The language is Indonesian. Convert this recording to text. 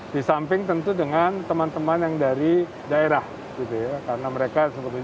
di samping tentu dengan teman teman yang dari daerah gitu ya karena mereka sebetulnya kami harapkan benar benar berpartisiasi aktif dalam otorita ini